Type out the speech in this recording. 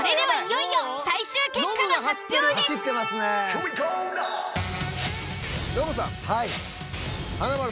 はい。